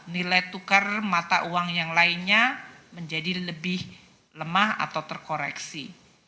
nilai tukar mata uang yang lainnya menjadi lebih lemah atau terkoreksi